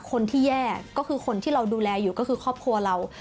คนที่แย่ก็คือคนที่เราดูแลอยู่ก็คือครอบครัวเรา